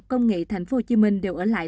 công nghệ tp hcm đều ở lại